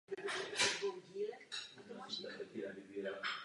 Stanice byla během celé své historie známa pod několika různými jmény.